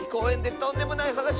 とんでもないはなし？